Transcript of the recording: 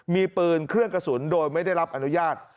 มีปืนเครื่องกระสุนโดยไม่ได้รับอนุญาต